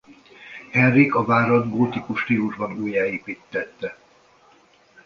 Henrik a várat gótikus stílusban újjáépíttette.